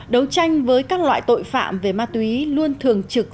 đấu tranh với các loại tội phạm về ma túy luôn thường trực